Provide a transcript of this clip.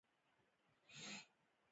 ژبه د ارواحو ژبه ده